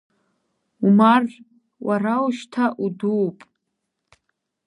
Умар, уара ушьҭа удууп.